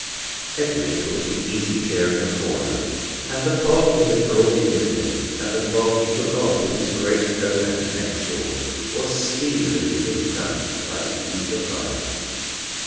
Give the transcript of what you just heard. Edwin took the easy chair in the corner; and the fog he had brought in with him, and the fog he took off with his greatcoat and neck shawl, was speedily licked up by the eager fire.